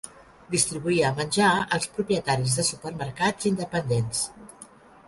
Distribuïa menjar als propietaris de supermercats independents.